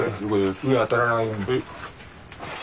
上当たらないように。